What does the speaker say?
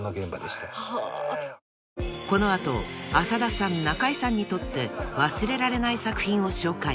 ［この後浅田さん中井さんにとって忘れられない作品を紹介］